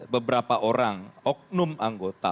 beberapa orang oknum anggota